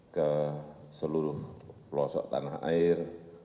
ke seluruh pelosok tanah air